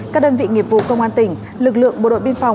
các đơn vị nghiệp vụ công an tỉnh lực lượng bộ đội biên phòng